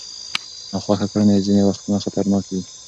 ناخوښه کړنې ځینې وختونه خطرناک دي.